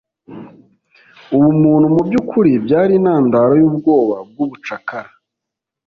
ubumuntu mubyukuri byari intandaro yubwoba bwubucakara